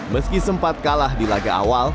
meski sempat kalah di laga awal